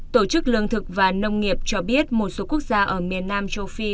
tổ chức lương thực và nông nghiệp cho biết một số quốc gia ở miền nam châu phi